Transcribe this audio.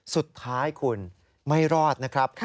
สุดท้ายคุณไม่รอดนะครับ